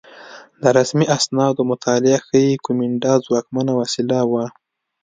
د رسمي اسنادو مطالعه ښيي کومېنډا ځواکمنه وسیله وه